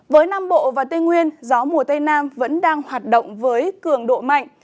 với nam bộ và tây nguyên gió mùa tây nam vẫn đang hoạt động với cường độ mạnh